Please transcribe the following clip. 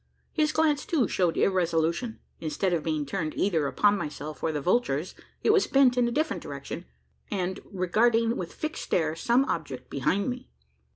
His glance, too, showed irresolution. Instead of being turned either upon myself or the vultures, it was bent in a different direction, and regarding with fixed stare some object behind me!